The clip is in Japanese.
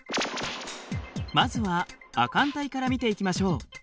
まずは亜寒帯から見ていきましょう。